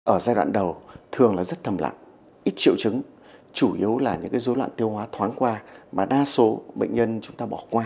ở giai đoạn đầu thường là rất thầm lặng ít triệu chứng chủ yếu là những dối loạn tiêu hóa thoáng qua mà đa số bệnh nhân chúng ta bỏ qua